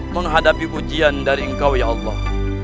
menghadapi ujian dari engkau ya allah